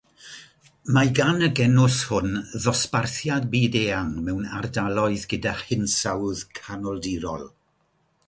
Mae gan y genws hwn ddosbarthiad byd-eang mewn ardaloedd gyda hinsawdd Canoldirol.